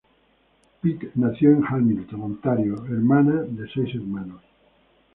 Pitt nació en Hamilton, Ontario, hermana de seis hermanos.